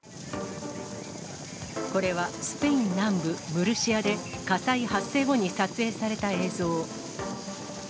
これはスペイン南部ムルシアで、火災発生後に撮影された映像。